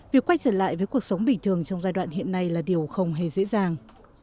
việc quay trở lại với cuộc sống bình thường trong giai đoạn hiện nay là điều không hề dễ dàng